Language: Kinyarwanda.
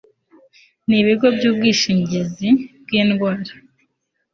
n ibigo by ubwishingizi bw indwara